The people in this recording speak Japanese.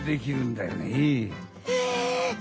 へえ！